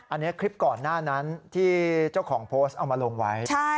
อันนี้คลิปก่อนหน้านั้นที่เจ้าของโพสต์เอามาลงไว้